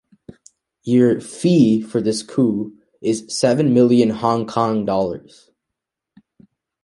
Your "fee" for this coup is seven million Hong Kong dollars.